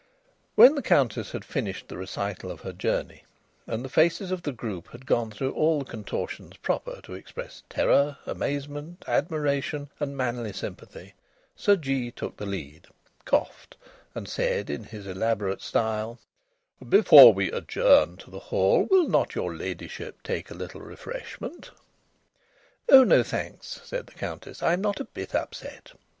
When the Countess had finished the recital of her journey, and the faces of the group had gone through all the contortions proper to express terror, amazement, admiration, and manly sympathy, Sir Jee took the lead, coughed, and said in his elaborate style: "Before we adjourn to the hall, will not your ladyship take a little refreshment?" "Oh no, thanks," said the Countess. "I'm not a bit upset."